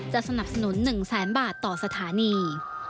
สนับสนุน๑แสนบาทต่อสถานี